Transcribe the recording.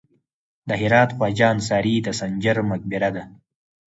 د هرات خواجه انصاري د سنجر مقبره ده